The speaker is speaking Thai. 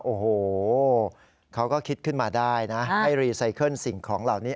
โอ้โหเขาก็คิดขึ้นมาได้นะให้รีไซเคิลสิ่งของเหล่านี้